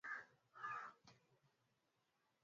bidi zoezi hiyo lifanyike kwa amani pia